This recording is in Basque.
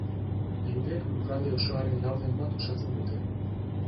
Hirurek lurralde osoaren laurden bat osatzen dute.